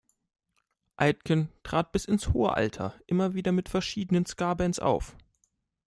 Aitken trat bis ins hohe Alter immer wieder mit verschiedenen Ska-Bands auf.